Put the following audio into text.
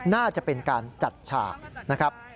น่าจะเป็นการจัดฉากนะครับ